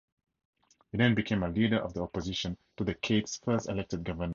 He then became a leader of the opposition to the Cape's first elected government.